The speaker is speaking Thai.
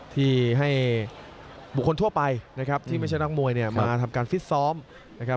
ที่ให้ผู้คนทั่วไปที่ไม่ใช่นักมวยมาทำครับ